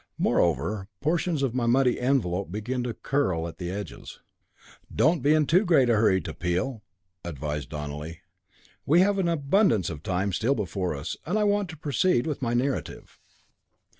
Moreover, portions of my muddy envelope began to curl at the edges. "Don't be in too great a hurry to peel," advised Donelly. "We have abundance of time still before us, and I want to proceed with my narrative."